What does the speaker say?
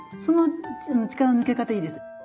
その力の抜け方いいです。